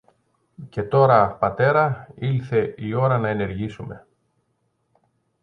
Και τώρα, πατέρα, ήλθε η ώρα να ενεργήσουμε.